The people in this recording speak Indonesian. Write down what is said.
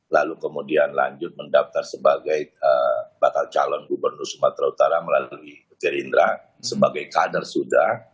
lalu kemudian lanjut mendaftar sebagai bakal calon gubernur sumatera utara melalui gerindra sebagai kader sudah